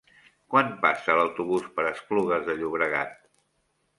Quan passa l'autobús per Esplugues de Llobregat?